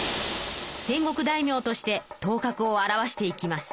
戦国大名として頭角を現していきます。